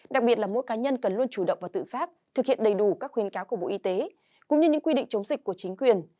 đặc biệt là mỗi cá nhân cần luôn chủ động và tự xác thực hiện đầy đủ các khuyên cáo của bộ y tế cũng như những quy định chống dịch của chính quyền